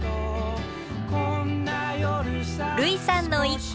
類さんの一句。